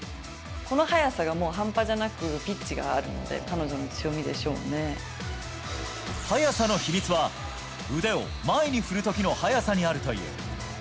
この速さがもう半端じゃなくピッチがあるので、彼女の強みでしょ速さの秘密は、腕を前に振るときの速さにあるという。